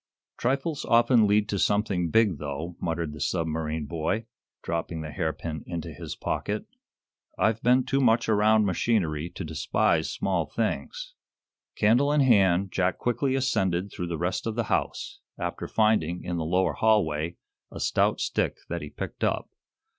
"Trifles often lead to something big, though," muttered the submarine boy, dropping the hairpin into his pocket. "I've been too much around machinery to despise small things." Candle in hand, Jack quickly ascended through the rest of the house, after finding, in the lower hallway, a stout stick that he picked up.